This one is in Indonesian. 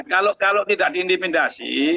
kalau tidak diindimidasi